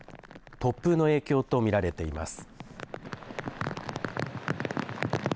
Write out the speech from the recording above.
突風の影響と見られています。